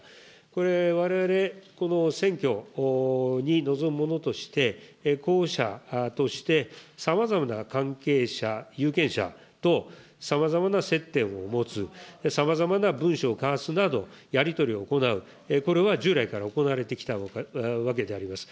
これ、われわれこの選挙に臨むものとして、候補者として、さまざまな関係者、有権者とさまざまな接点を持つ、さまざまな文書を交わすなど、やり取りを行う、これは従来から行われてきたわけであります。